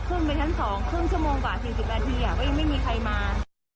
ขึ้นไปชั้น๒ครึ่งชั่วโมงกว่า๔๐นาทีก็ยังไม่มีใครมา